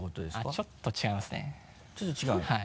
あっちょっと違いますね。